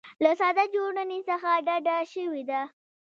له ساده جوړونې څخه ډډه شوې ده.